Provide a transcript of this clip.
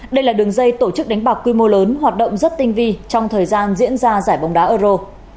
đây là đường dây tổ chức đánh bạc quy mô lớn hoạt động rất tinh vi trong thời gian diễn ra giải bóng đá euro